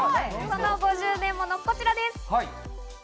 この５０年もの、こちらです。